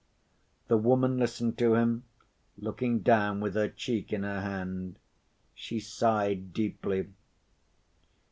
The woman listened to him, looking down with her cheek in her hand. She sighed deeply.